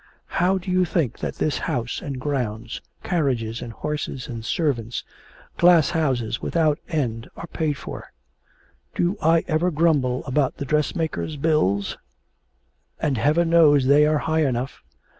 How do you think that this house and grounds, carriages and horses and servants, glasshouses without end, are paid for? Do I ever grumble about the dressmakers' bills? and heaven knows they are high enough.